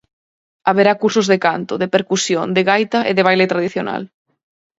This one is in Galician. Haberá cursos de canto, de percusión, de gaita e de baile tradicional.